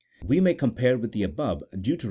We may compare with the above Deut.